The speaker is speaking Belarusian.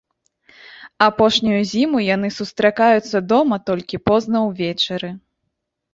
Апошнюю зіму яны сустракаюцца дома толькі позна увечары.